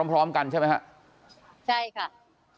พร้อมกันใช่ไหมฮะใช่ค่ะ